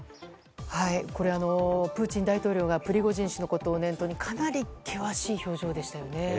プーチン大統領がプリゴジン氏のことを念頭にかなり険しい表情でしたよね。